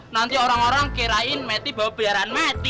nanti orang orang kirain mati bawa biaran mati